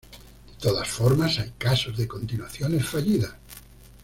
De todas formas hay casos de continuaciones fallidas.